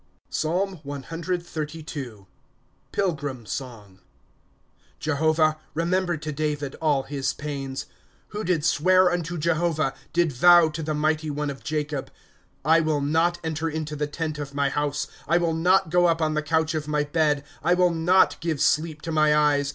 PSALM CXXXII. Pilgrim Song. ^ Jedovah, remember to David all his pains ;* Who did swear unto Jehovah, Did vow to the mighty one of Jacob :^ I will not enter into the tent of my house, I will not go up on the couch of my bed ;^ I will not give sleep to my eyes.